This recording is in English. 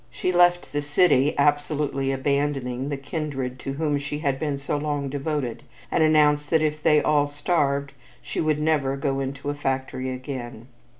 She left the city, absolutely abandoning the kindred to whom she had been so long devoted, and announced that if they all starved she would "never go into a factory again."